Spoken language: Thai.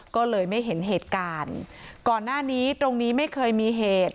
ก็เลยไม่เห็นเหตุการณ์ก่อนหน้านี้ตรงนี้ไม่เคยมีเหตุ